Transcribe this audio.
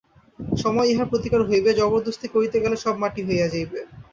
সময়ে ইহার প্রতিকার হইবে, জবর্দস্তি করিতে গেলে সব মাটি হইয়া যাইবে।